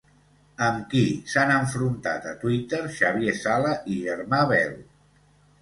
Amb qui s'han enfrontat a Twitter Xavier Sala i Germà Bel?